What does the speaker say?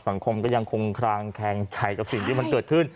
สังคมก็ยังคงคลางแคงใจกับสิ่งที่มันเกิดขึ้น